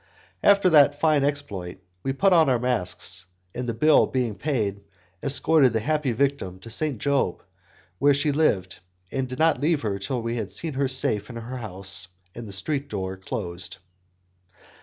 After that fine exploit, we put on our masks, and, the bill being paid, escorted the happy victim to Saint Job, where she lived, and did not leave her till we had seen her safe in her house, and the street door closed.